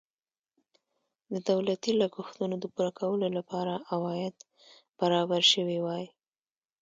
د دولتي لګښتونو د پوره کولو لپاره عواید برابر شوي وای.